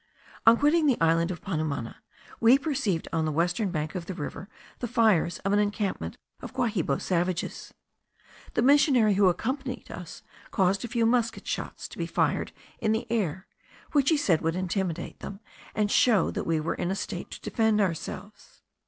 On quitting the island of Panumana, we perceived on the western bank of the river the fires of an encampment of Guahibo savages. The missionary who accompanied us caused a few musket shots to be fired in the air, which he said would intimidate them, and shew that we were in a state to defend ourselves.